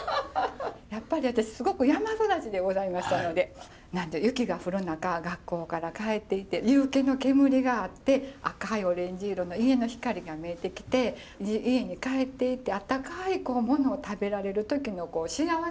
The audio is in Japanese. やっぱり私すごく山育ちでございましたので雪が降る中学校から帰ってきて夕げの煙があって赤いオレンジ色の家の光が見えてきて家に帰っていってあったかいものを食べられる時の幸せな気持ち。